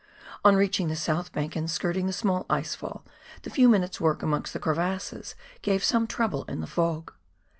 On reaching the south bank and skirting the small ice fall, the few minutes' work amongst the crevasses gave some trouble in the fog.